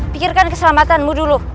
pikirkan keselamatanmu dulu